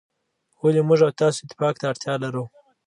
ولي موږ او تاسو اتفاق ته اړتیا لرو.